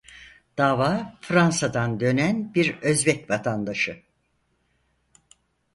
Dava Fransa'dan dönen bir Özbek vatandaşı.